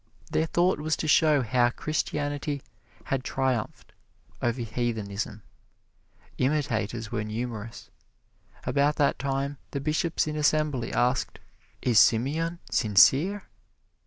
Their thought was to show how Christianity had triumphed over heathenism. Imitators were numerous. About that time the Bishops in assembly asked, "Is Simeon sincere?"